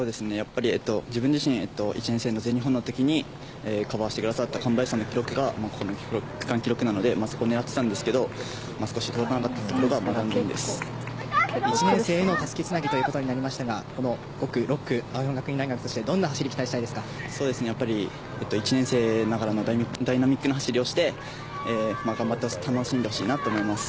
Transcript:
自分自身１年生の全日本の時にカバーしてくださった神林さんの記録が区間記録だったのでそこを狙っていたんですが届かなかったところが１年生へのたすき渡しとなりましたが５区、６区は青山学院大学として１年生ながらもダイナミックな走りをして楽しんでほしいなと思います。